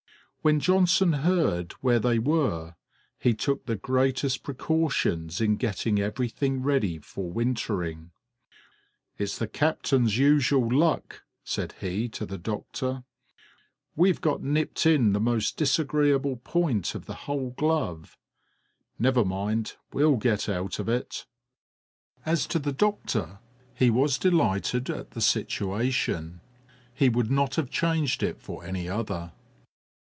When Johnson heard where they were, he took the greatest precautions in getting everything ready for wintering. "It's the captain's usual luck," said he to the doctor; "we've got nipped in the most disagreeable point of the whole glove! Never mind; we'll get out of it!" As to the doctor, he was delighted at the situation. He would not have changed it for any other!